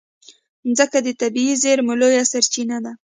مځکه د طبعي زېرمو لویه سرچینه ده.